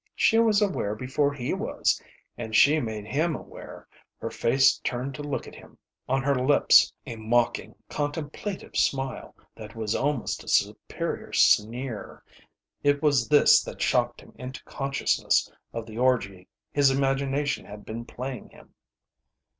She was aware before he was, and she made him aware, her face turned to look at him, on her lips a mocking, contemplative smile that was almost a superior sneer. It was this that shocked him into consciousness of the orgy his imagination had been playing him.